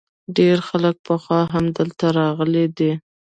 ډیری خلک پخوا هم دلته راغلي دي